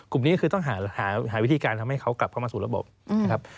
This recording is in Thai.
กลุ่มนี้ก็คือต้องหาวิธีการทำให้เขากลับเข้ามาสู่ระบบนะครับ